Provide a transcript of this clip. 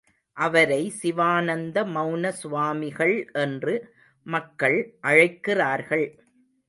அவரை சிவானந்த மௌன சுவாமிகள் என்று மக்கள் அழைக்கிறார்கள்.